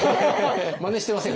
まねしてません？